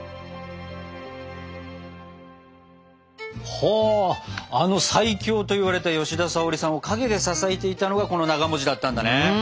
ほあの最強といわれた吉田沙保里さんを陰で支えていたのがこのながだったんだね。